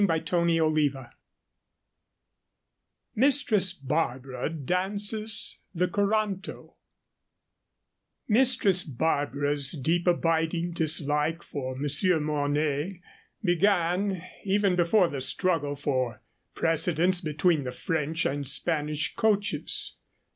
CHAPTER II MISTRESS BARBARA DANCES THE CORANTO Mistress Barbara's deep abiding dislike for Monsieur Mornay began even before the struggle for precedence between the French and Spanish coaches.